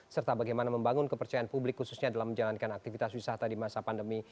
serta bagaimana membangun kepercayaan publik khususnya dalam menjalankan aktivitas wisata di masa pandemi